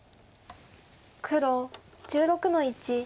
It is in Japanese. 黒１６の一。